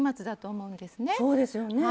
そうですよね。